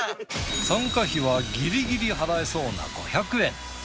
参加費はギリギリ払えそうな５００円。